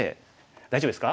大丈夫ですか？